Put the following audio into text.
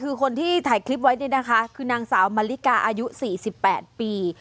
คือคนที่ถ่ายคลิปไว้นี่นะคะคือนางสาวมาริกาอายุ๔๘ปี